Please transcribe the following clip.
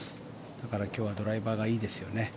だから、今日はドライバーがいいですよね。